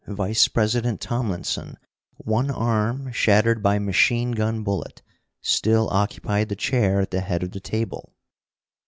Vice president Tomlinson, one arm shattered by a machine gun bullet, still occupied the chair at the head of the table.